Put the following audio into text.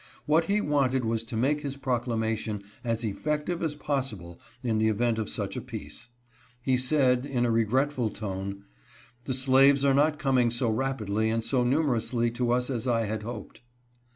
What he wanted was to make his pro CONFERENCE WITH MR. LINCOLN. 435 clamation as effective us possible in the event of such a peace. He said, in a regretful tone, " The slaves are not coming so rapidly and so numerously to us as I had hoped."